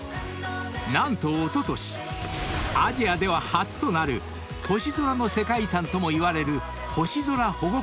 ［何とおととしアジアでは初となる星空の世界遺産ともいわれる星空保護区に認定］